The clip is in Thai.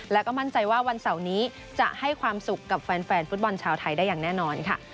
และก็มั่นใจว่าวันเสาร์นี้จะให้ความสุขกับแฟนฟุตบอลชาวไทยได้อย่างแน่นอนค่ะ